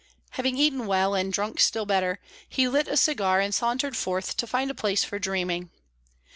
Having eaten well and drunk still better, he lit a cigar and sauntered forth to find a place for dreaming.